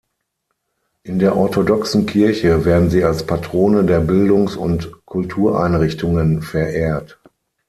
In der orthodoxen Kirche werden sie als Patrone der Bildungs- und Kultureinrichtungen verehrt.